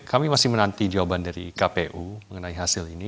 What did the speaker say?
kami masih menanti jawaban dari kpu mengenai hasil ini